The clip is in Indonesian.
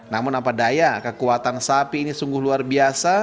namun apa daya kekuatan sapi ini sungguh luar biasa